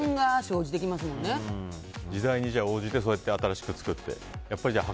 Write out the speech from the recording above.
時代に応じてそうやって新しく作って。